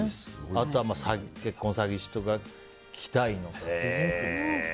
あとは結婚詐欺師とか希代の殺人鬼ですよ。